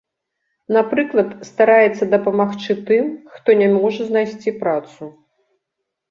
Напрыклад, стараецца дапамагчы тым, хто не можа знайсці працу.